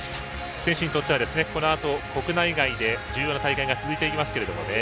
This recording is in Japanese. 選手にとってはこのあと国内外で重要な大会が続いていきます。